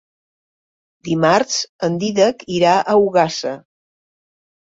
Dimarts en Dídac irà a Ogassa.